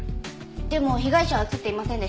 でも被害者は映っていませんでした。